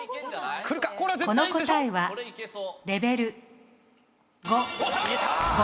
この答えはレベル５。